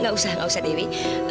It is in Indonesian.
nggak usah nggak usah dewi